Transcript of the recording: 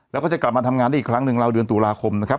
แล้วก็จะกลับมาทำงานได้อีกครั้งหนึ่งราวเดือนตุลาคมนะครับ